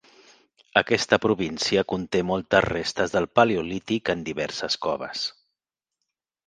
Aquesta província conté moltes restes del paleolític en diverses coves.